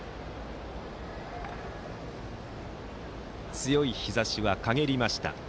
強い日ざしはかげりました。